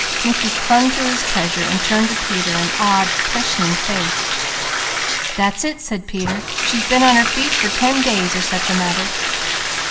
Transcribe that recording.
Mickey clung to his treasure, while turning to Peter an awed, questioning face. "That's it!" said Peter. "She's been on her feet for ten days or such a matter!"